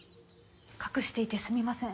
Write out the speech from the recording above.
隠していてすみません。